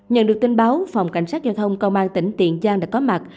nhận được tin báo phòng cảnh sát giao thông công an tỉnh tiền giang đã có mặt